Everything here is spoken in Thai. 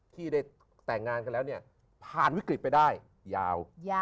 ที่ได้แต่งงานกันแล้วเนี่ยผ่านวิกฤตไปได้ยาว